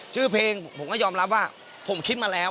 ชื่อเพลงผมก็ยอมรับว่าผมคิดมาแล้ว